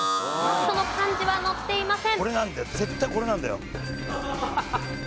その漢字は載っていません。